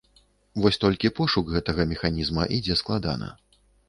Вось толькі пошук гэтага механізма ідзе складана.